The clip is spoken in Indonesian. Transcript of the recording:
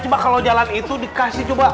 cuma kalau jalan itu dikasih coba